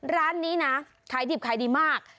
ร้านนี้นะขายดิบขายดีมาก